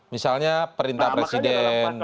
misalnya perintah presiden